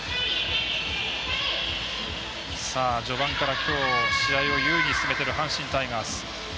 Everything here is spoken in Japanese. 序盤から、きょう試合を優位に進めている阪神タイガース。